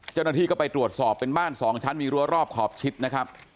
เจ้าหน้าที่ก็ไปตรวจสอบเป็นบ้านสองชั้นมีรั้วรอบขอบชิดนะครับ